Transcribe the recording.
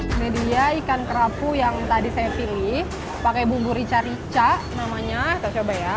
ini dia ikan kerapu yang tadi saya pilih pakai bumbu rica rica namanya kita coba ya